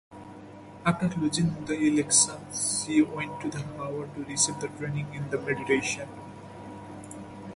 After losing the election, she went to Harvard to receive training in mediation.